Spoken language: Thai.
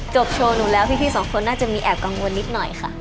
โชว์หนูแล้วพี่สองคนน่าจะมีแอบกังวลนิดหน่อยค่ะ